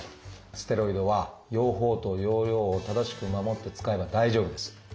ステロイドは用法と用量を正しく守って使えば大丈夫です。